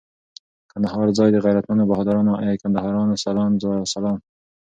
کندهار ځای د غیرتمنو بهادرانو، ای کندهاریانو سلام سلام